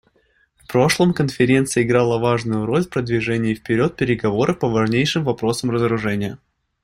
В прошлом Конференция играла важную роль в продвижении вперед переговоров по важнейшим вопросам разоружения.